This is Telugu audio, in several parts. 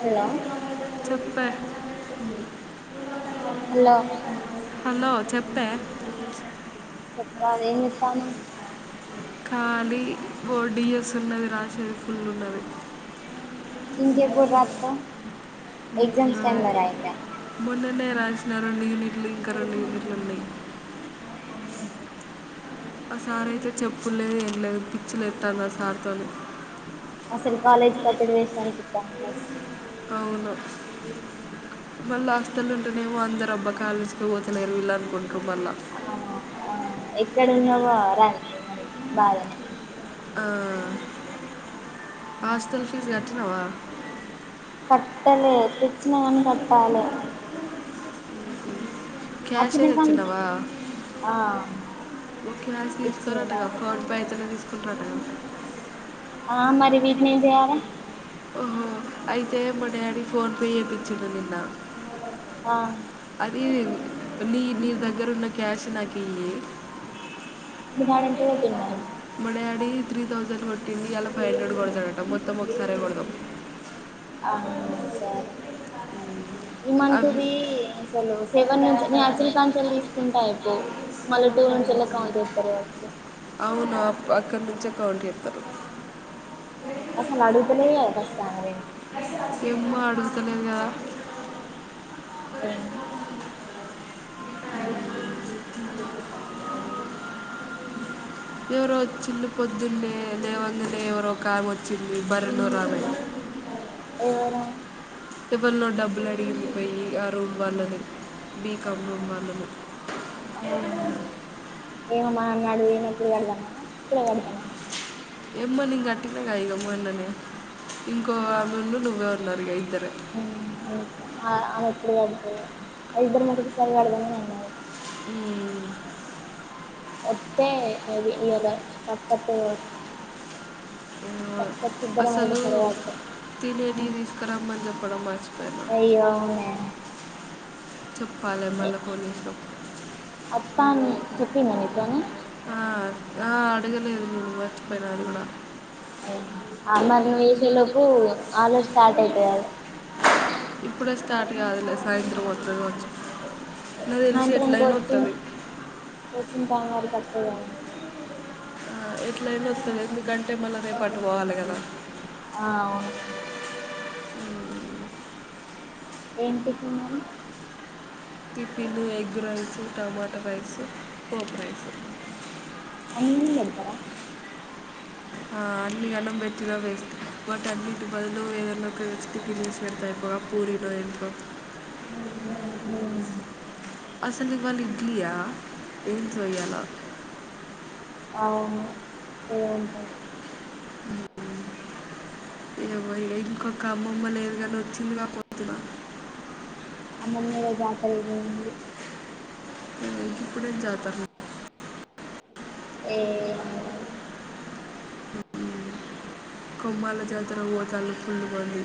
హలో చెప్పే హలో హలో చెప్పే కాదు ఎంచేత్తానవ్ ఖాళీ ఓ డిఎస్ ఉన్నది రాసేది ఫుల్ ఉన్నది ఇంకేప్పుడు రాత్తవ్ ఎగ్జామ్స్ టైమ్ లో రాయి ఇగ నా రెండు యూనిట్లు ఇంకా రెండు యూనిట్లు ఉన్నయ్. ఆ సార్ అయితే చెప్పుడులేదు ఏం లేదు పిచ్చి లేత్తాంది ఆ సార్తోని. అసలు కాలేజ్ కి వచ్చుడు వేస్ట్ అనిపితంది ఫస్ట్ మళ్ళా హాస్టల్లో ఉంటేనేేమో అందరు అబ్బ కాలేజీకే పోతలేరు వీళ్ళు అనుకుంటరు మళ్లా. ఆ ఆ ఎక్కడ ఉన్నవో రంది మనకి బాదనే ఆ హాస్టల్ ఫీజ్ కట్టినవా కట్టలే తెచ్చినా గని కట్టాలే క్యాషే అచ్చిన కాని తేచ్చినవా ఆ ఓ క్యాష్ ఇచ్చిండు తీసుకోరంటగా డాడీ ఫోన్ పే అయితనే తీసుకుంటారటగా. ఆ మరి వీటిని ఏం చెయాల ఓహో అయితే మా డాడీ ఫోన్పే చేపించిండు నిన్నా ఆ అది నీ నీ దగ్గర ఉన్న క్యాష్ నాకు ఇయ్యి మీ డాడీ ఎంత కొట్టిండు మరి మా డాడి త్రీ థౌసండ్ కొ ట్టింది ఇయాలా ఫైవ్ హండ్రెడ్ కొడతడట మొత్తం ఒకసారే కొడదాం. అవును సరే ఈ అవి మంతుది అసలు సెవన్ నుంచి నేను అచ్చినా కాన్నుంచి తీసుకుంటయ్ ఓ మళ్ళా టూ నుంచి యెల్ల కౌంట్ చేస్తారు కావచ్చు. అవును అప్ అక్కడి నుంచి అక్కౌంట్ చేత్తరు అసలు అడుగుతలే కదా ఫస్ట్ ఆమె రెంట్ ఏమ్మ అడుగుతంది కదా ఎమ్. ఎవరుచ్చల్లు పొద్దునె. లేవంగానే ఎవరో ఒక ఆమె వచ్చింది పల్లెటూరమ్. ఎవరు ఇవన్న డబ్బులు అడిగింది పోయి ఆ రూమ్ వాళ్ళని. బీకామ్ రూమ్ వాళ్ళని ఆ ఎమో. గాడు పోయినప్పుడు కడదామా ఇప్పుడే కడదామా. ఏమ్మనిం కట్టినాగ మొన్ననే ఇంకో అవిండు నువ్వే ఉన్నారు గ ఇద్దర్. ఆమె ఎప్పుడు అడుతడు ఇద్దరం ఒకటి సరిగాడదామని అను అ. హుమ్. ఒత్తే మే బీ ఇవాళ పనికొస్తది కావచ్చు. ఆ పక్కత్తే ఇద్దరం అసలు ఒకటేసారి కడతాం తినేటివి తీసుకురమ్మని చెప్పడం మార్చ. అయ్యో అవునే. చెప్పాలి మళ్ళీ పోలీసుప్పు. అత్తా అన్ని చెప్పిందా నిక్ ఏమైనా. ఆ, ఆ అడుగలేడు మర్చిపోయిన అది గూడా. ఆ మరి నవ్వు వేసేలోపు ఆలడి స్టార్ట్ అవుతది ఆట. ఇప్పుడే స్టార్ట్ కావదులే సాయంత్రం అవుతాది కావొచ్చు. సాయంత్రం కోచింగ్ వస్తుంది కోచింగ్ టైమ్ కతేద. ఇట్లా ఐతే వస్తది ఎందుక. ఎందుకంటే రేపు మల్ల అటు పోవాలె కదా. ఆ అవును ఏంటి టిఫిన్ మరి? Tiffin egg rice tomato rice. పోప్ రైస్. అన్నిగనం పెడతారా ఆ అన్ని అన్నం పెట్టిలా వేస్ బట్ అన్నింటి బదులు ఎద్దన ఒకటి కర్రీ చస్తే బెటర్. టిఫిన్స్ పెడితే అయిపోగా పూర డో ఇంట్. ఉమ్. అసలు ఇవాళ ఇడ్లీయా ఏంట్రా ఇవాళ? అవును ఇలా ఉంటది. ఏమోయ ఇంకొక అమ్మమ్మ లేదు కాని వచ్చిందిగా పోతున్నా. అమ్మని మీద జాతర ఏమంది. ఇప్పుడే జతార. ఏమో. కొమ్మాల జాతర పోతలు ఫుల్ మంది.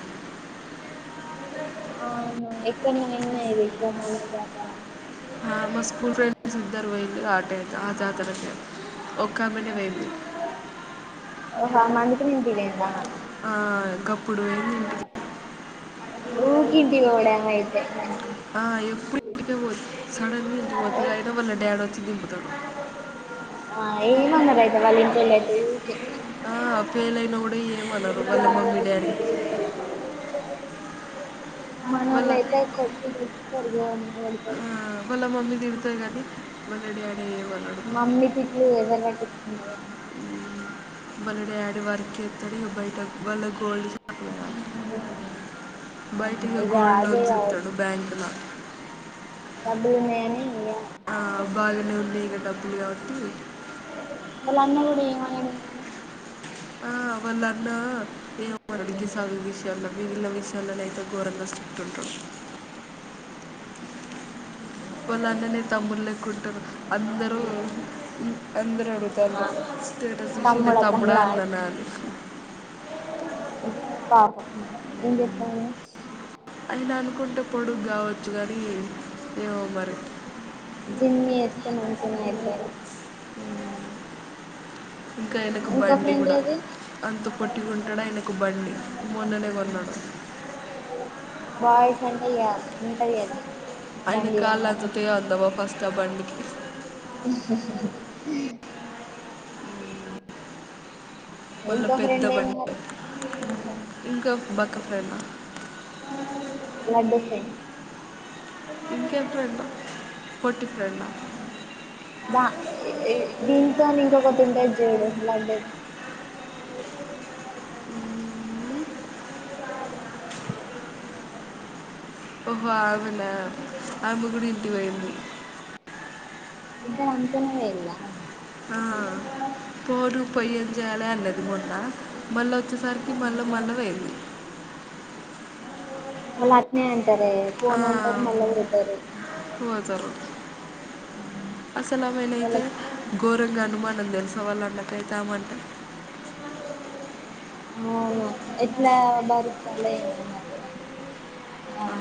ఎక్కనొవిన్న ఇది కోమాల జాతర. మా స్కూల్ ఫ్రెండ్స్ ఇద్దరు పొయ్యిలు గా అటే. ఆ జాతర కే ఒకమెనె పోయింది. అమాందిక నేను డిలే ఐతన్న. గప్పుడు పోయింది ఇంటికి ఉకే ఇంటికి పోవడె అమైతె. ఆ ఎప్పుడు ఇంటికే పోతది సడన్గాఇంటికి పోతాది ఐటంక వాళ్ళ డాడీ వచ్చి దింపుతాడు. ఆ ఏమ అన్నారు ఆయత వాళ్ళ ఇంట్లో లైతె ఉకే. ఆ ఫెయిల్ అయిన కూడా ఏమనరు అల్ల మమ్మీ డాడీ. మా వాళ్ళ నాన్న అయితే కొట్టి దులుపుతాడు గొరంగా. ఆ మల్ల మమ్మీ తిడుతది గాని. మన డాడీ ఏమన్నాడు. మమ్మీ తిట్లు ఎవరు పట్టించుకుంటారు గాని వల డాడి వర్క్ ఎస్తాడు ఇగ బయట ఎవ్వాళ గొల్ల ఉండదు. [inaudible] ఆ బయటిగా ఇగ గోల్డ్ అదే లోన్స్ ఇస్తాడు కావచ్చు బ్యాంకుల. డబ్బులు ఉన్నాయని ఇగ ఆ బాగానే ఉన్నాయి ఇంక డబ్బులు కాబట్టి. ఎలా అన్న గుడ ఇగ ఏమన్నాడు. ఆ వల్ల అన్న ఏమనాడు గి చదువు విషయం లో. మిగిలిన విషయాలను అయితే ఘోరంగా చెప్తుంటాడు వాళ్ళందరు నీ తమ్ములు లేక్క ఉంటారు అందరూ అందరూ ఎందుకు అడుగుతారు ఆ పస్ట్ చూసి నీ తమ్ముడా అని నన్ను అడుగుతున్నారు ఉప్ప ఏం చెప్తాను అన్న అనుకుంటే పొడుగ్గా కావచ్చు కానీ ఏమో మరి జిమ్మీ ఎస్తే మంచిగనే అయితార ఇంకా ఎనుక బండి కూడా అంత పొట్టి గా ఉంటాడు ఆయనకు బండి మొన్ననే కొన్నాడు బాయ్స్ అంటే ఇక అంతగేన ఆయన కాళ్ళు అందుతాయో అందవొ ఫస్ట్ ఆ బండికి మళ్ళీ ఇంకా పెద్ద ప్రెండ్ ఏం బండి మరి ఇంకా బక్క ఫ్రెండా లడ్డు కి ఇంకేం ప్రెండ్ [inaudible] బా దీనితోని ఇంకొకటి ఉంటేది చూడు [unintelligible] ఓహో అవునా ఆయామ్మ కూడ ఇంటికి పోయింది ఇద్దరు అనుకునే లేరుగా ఆ పోరు పొయ్యె చేయాలే అన్నది మోన్న మళ్ళా వచ్చేసరికి మళ్ళా మళ్ళ పొయింది మళ్ళా అట్నే అంటారే ఆ, పోను అంటారు మళ్ళా పోతారు అసలుమైనాయితే వాళ్ళకి గోరంగ అనుమానం తెలుసా వాళ్ళకు వాళ్ళకైతే అమె అంటే అవును ఎట్లా భరిస్తాల్లొ ఏమో మరి [unintelligible] ఆమో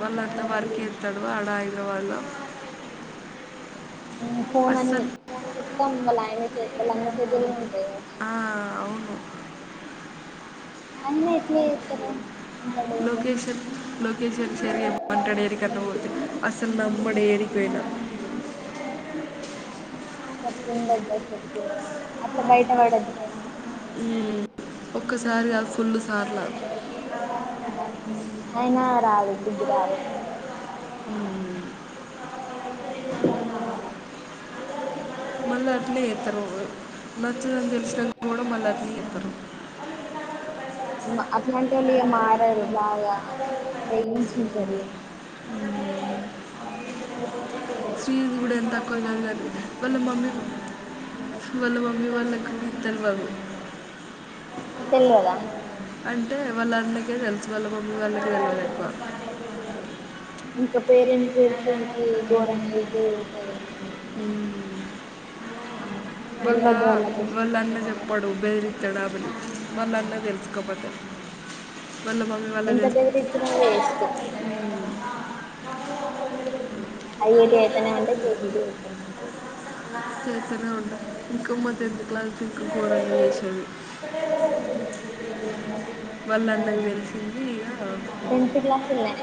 మళ్ళ అట్లే ఇతాడువా [unintelligible] అడా ఇడా వల్ల మ్మ్ ఫోన్ అన్ని అస్సలు ఫోన్ మొత్తం వాళ్ళ ఆయన వాళ్ళ అన్న చేతుల్లోనే ఉంట ఆ అవును అమ్మో ఇట్ల చెత్తార లొకేషన్ లొకేషన్ షేర్ చేయమాంటాడు ఎడి కన్నా పోతే అసలు నమ్మాడు ఎది లేద అట్లా బయట పడద్దు పస్ట్ మ్మ్ ఒక్కసారి [unintelligible] ఫుల్ సార్లు రావాలి బుద్ది రావాలే [inaudible] మళ్ళీ అట్నే చేత్తారు నచ్చదని తెలిసిన కూడా మళ్ళీ అట్నే చేత్తారు [inaudible] ఉమ్మా అటువంటి వొళ్ళు మారారు బాగా తెగించుంటారులే అమ్మో కానీ వాళ్ళ మమ్మీ వాళ్ళ మమ్మీ వాళ్ళకి తెలియదు తినలేదా అంటే వాళ్ళ అన్నకే తెల్ వాళ్ళ మమ్మి వాళ్ళకే తెలవదు అంటా ఇంకా [unintelligible] ఘోరంగా జరుగుతాయి ఏమో మ్మ్ మళ్ళ తెల్వదు వాళ్ళకు అసలు వాళ్ళ అన్న చెప్పాడు బేదరిత్తాడు మళ్ళ అన్న తెలుసుకోబొతే మళ్ళ మమ్మీ వాళ్ళా కు ఎంత బెదిరిచ్చినా వేస్ట్ తెలిస్తే అయ్యేటివి అయితనే ఉంటయ్ చేసేటివి చెత్తనే ఉంటయ్ చేస్తూనే ఉంటారు ఇంకా మా టెన్త్ క్లాస్ ఇంకా గోరంగా అల్లరి చేసేది వాళ్ళ అన్నకి తెలిసింది ఇక టెన్త్ క్లాస్ ల్నే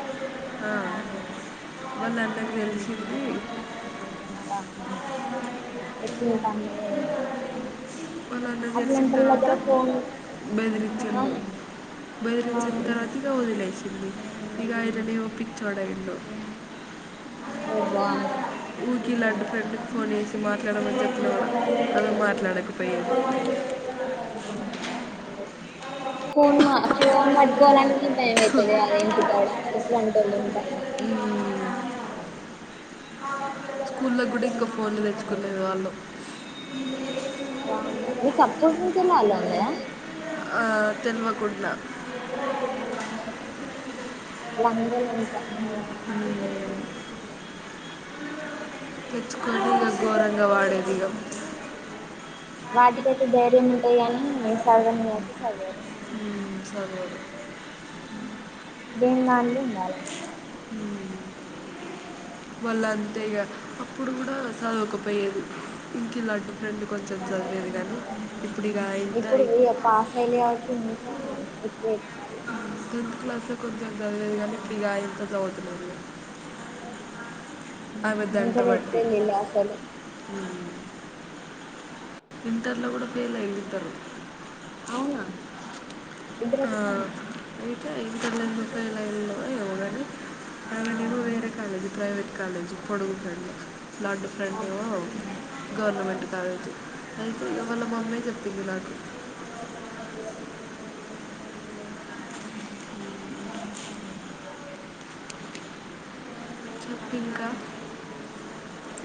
మళ్ళ వాళ్ళ అన్నకు తెలిసింది ఎట్లా వింటాన్లో ఏమో వాళ్ళ అన్న కు తేలిసిన అట్లాంటోళ్ళ తర్వాత దగ్గర ఫోన్ ఆ బెదిరించ్చిండు ఆ వచ్చినా తర్వాత ఇగ వదిలేసింది ఇగ ఐనేమో పిచ్చోడు అయ్యిండు వామ్మో ఊరికే లడ్డుకు ఫోన్ చేసి మాట్లాడమని చెప్పిన కూడా ఆమె మాట్లాడకపోయేది ఫోన్ పట్టుకోవాలంటేనే భయం అవుతది కాదే ఇంటికాడ అట్లాంటి తెలియదంటే ఇ స్కూల్లోకి కూడా ఇంకో ఫోన్ తెచ్చుకునేది వాళ్ళు వామ్మో మీకప్పటి నుంచే అలో ఉన్నాదా ఆ, తెలియకుండా లంగలంతా చిన్నప్పటి నుంచెల్లి మ్మ్. తెచ్చుకోని ఇగ ఘోరంగా వాడేదిగా వాటికైతే ధైర్యం ముంటది గాని ఇగ చదువనైతే చదువరు మ్మ్. చదువు దేనిది దాందే ఉండాలి వాళ్ళ అంతే ఇగ అప్పుడు కూడా చదవకపోయేది ఇంకా ఇలాంటి ఫ్రెండ్ కొంచెం చదివేది కానీ ఇప్పుడు ఇక ఇంత ఇప్పుడు ఇగ పాస్ అయ్యింలు కాబట్టి ఇంకా ఎక్కువ ఎత్తారు టెన్త్ క్లాస్ లో కొంచెం చదివేది కానీ ఇప్పుడు అయింత చదువుతలేరు ఇంటర్ ఎట్లా బట్టి ఎల్లిన్లో అసలు ఇంటర్ల కూడా ఫెయిల్ అయ్యి ఉంటారు అవునా ఇద్దరు ఆ ఒకకాన్నేనా అయితే ఇంటర్ లా ఎందుకు ఫెయిల్ ఐన్లో తనది వేరే కాలేజ్ ప్రైవేట్ కాలేజ్ పొడుగు ఫ్రెండ్ లడ్డు ఫ్రెండ్ ఆహా ఏమో గవర్నమెంట్ కాలేజ్ అయితే వాళ్ళ మమ్మే చెప్పింది నాకు చెప్పు ఇంకా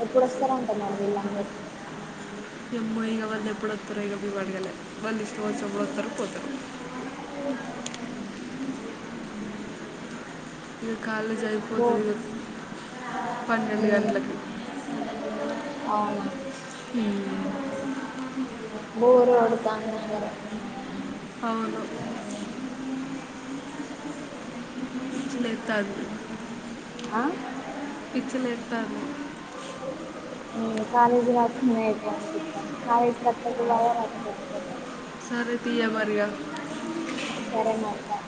ఎప్పుడు వస్తారంట మరి వీళ్ళందరు ఎమో ఇగ వాళ్ళు ఎప్పుడోస్తారో ఇగ మేము అడగాలే వాళ్ళు ఇష్టం వచ్చినప్పుడు వస్తారు పోతారు కాలేజీ బో అయిపోతుంది పన్నెండు మ్మ్ గంటలకి అవునా బొరుగోడుతంది అసలు అవును పిలుత్తంది పిచ్చి లేత్తంది కాలేజ్ రాకున్నా అయిపోవు అనిపిత్తంది కాలేజ్కి వత్తే ఒక బాధ రాకపోతే ఒక బాధ సరే తీయ మరిగా సరే మరి బాయ్